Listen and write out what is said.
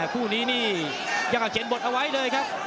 คู่นี้นี่ยังเอาเขียนบทเอาไว้เลยครับ